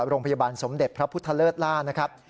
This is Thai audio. โรงพยาบาลสมเด็จพระพุทธเลิศล่านะครับ